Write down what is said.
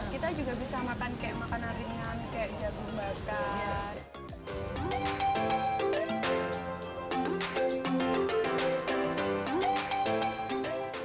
kita juga bisa makan kayak makanan ringan kayak jagung bakar